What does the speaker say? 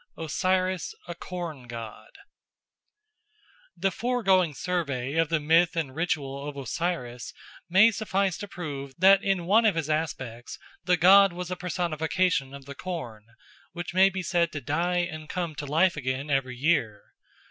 Osiris a Corn god THE FOREGOING survey of the myth and ritual of Osiris may suffice to prove that in one of his aspects the god was a personification of the corn, which may be said to die and come to life again every year.